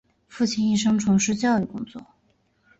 父亲一生从事教育工作。